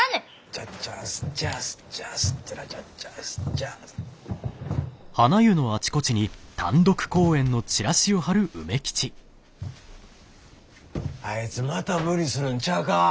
チャッチャッスッチャスッチャスッチャラチャッチャスチャ・あいつまた無理するんちゃうか？